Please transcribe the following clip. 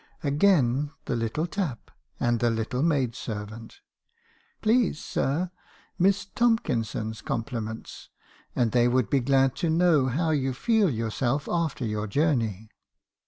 "Again the little tap , and the little maid servant: "'Please, sir, Miss Tomkinsons' compliments; and they would be glad to know how you feel yourself after your journey.'